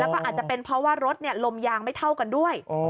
แล้วก็อาจจะเป็นเพราะว่ารถลมยางไม่เท่ากันด้วย